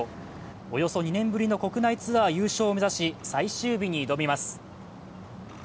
およそ２年ぶりの国内ツアー優勝を目指し、最終日に挑みます。